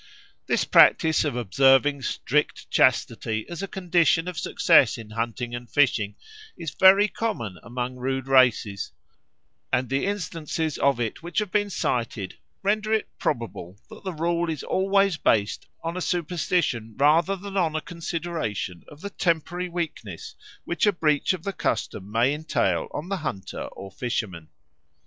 This practice of observing strict chastity as a condition of success in hunting and fishing is very common among rude races; and the instances of it which have been cited render it probable that the rule is always based on a superstition rather than on a consideration of the temporary weakness which a breach of the custom may entail on the hunter or fisherman.